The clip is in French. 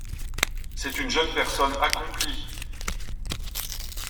C'est une jeune personne accomplie.